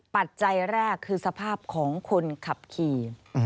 ปัจจัยแรกคือสภาพของคนขับขี่